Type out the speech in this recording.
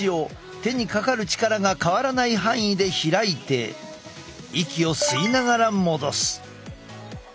手にかかる力が変わらない範囲で開いて息を吸いながら戻す。